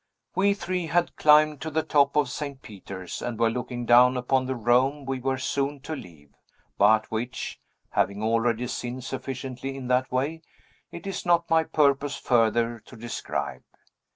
We three had climbed to the top of St. Peter's, and were looking down upon the Rome we were soon to leave, but which (having already sinned sufficiently in that way) it is not my purpose further to describe.